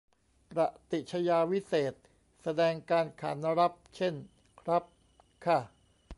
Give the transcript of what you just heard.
ประติชญาวิเศษณ์ แสดงการขานรับ เช่น ครับ ค่ะ